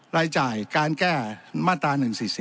รายจ่ายการแก้มาตรา๑๔๔